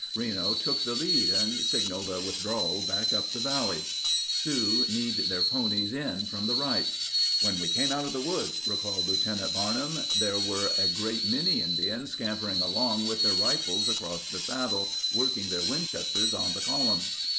Reno took the lead and signaled a withdrawal back up the valley. Sioux kneed their ponies in from the right. "When we came out of the woods," recalled Lieutenant Var num, "there were a great many Indians scampering along with their rifles across the saddle, working their Winchesters on the column."